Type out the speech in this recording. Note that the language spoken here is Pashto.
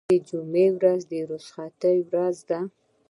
د جمعې ورځ د رخصتۍ ورځ ده.